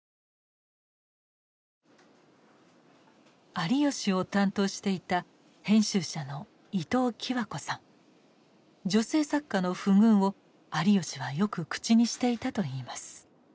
有吉を担当していた編集者の女性作家の不遇を有吉はよく口にしていたといいます。